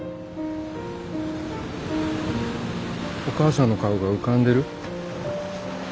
お母さんの顔が浮かんでる？